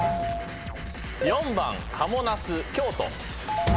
４番賀茂なす京都。